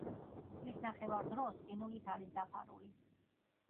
წლის ნახევარ დროს ყინულით არის დაფარული.